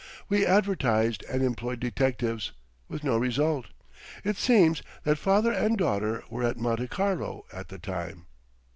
We advertised and employed detectives, with no result. It seems that father and daughter were at Monte Carlo at the time."